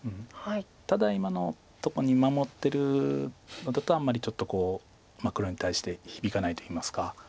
ただ今のとこに守ってるのだとあんまりちょっと黒に対して響かないといいますか。